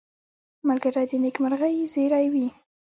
ملګری د نېکمرغۍ زېری وي